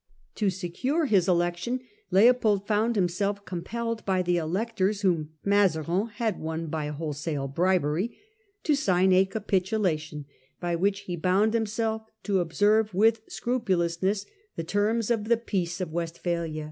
To secure his election Leopold found himself com pelled by the electors whom Mazarin had won by whole sale bribery to sign a 'capitulation,' by which he bound himself to observe with scrupulousness the terms of the Formation Peace of Westphalia.